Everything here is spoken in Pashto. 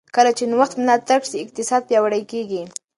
کله چې نوښت ملاتړ شي، اقتصاد پیاوړی کېږي.